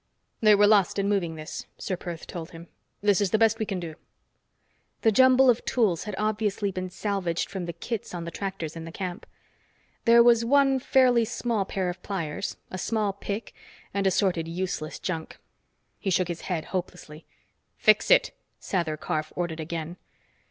"They were lost in moving this," Ser Perth told him. "This is the best we can do." The jumble of tools had obviously been salvaged from the kits on the tractors in the camp. There was one fairly small pair of pliers, a small pick and assorted useless junk. He shook his head hopelessly. "Fix it!" Sather Karf ordered again.